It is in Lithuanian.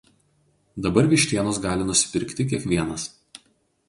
Dabar vištienos gali nusipirkti kiekvienas.